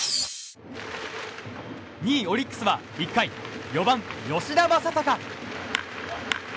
２位オリックスは、１回４番、吉田正尚。